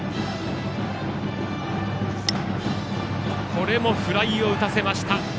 これもフライを打たせました。